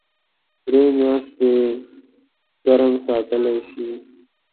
درې میاشتې ګرم ساتلی شي .